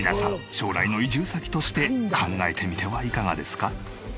将来の移住先として考えてみてはいかがですか？